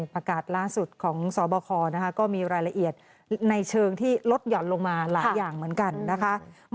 ประกาศล่าสุดของสบคก็มีรายละเอียดในเชิงที่ลดหย่อนลงมาหลายอย่างเหมือนกันนะคะ